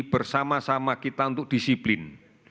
bersama sama kita untuk disiplin